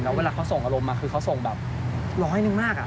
แล้วเวลาเขาส่งอารมณ์มาคือเขาส่งแบบร้อยหนึ่งมาก